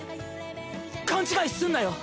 勘違いすんなよ！